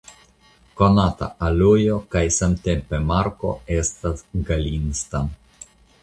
Konata alojo kaj samtempe marko estas "Galinstan".